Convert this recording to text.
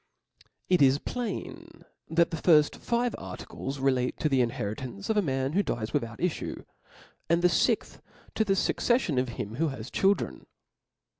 It is plain that the firft five articles relate to the inheritance of a man who dies without ifiue ; and the fixth, to the fuccefilon of him who has children.